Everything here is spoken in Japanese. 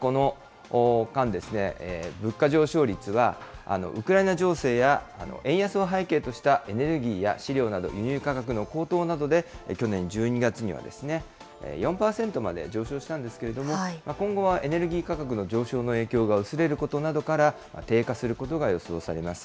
この間、物価上昇率はウクライナ情勢や円安を背景としたエネルギーや飼料など輸入価格の高騰などで、去年１２月には４％まで上昇したんですけれども、今後はエネルギー価格の上昇の影響が薄れることなどから、低下することが予想されます。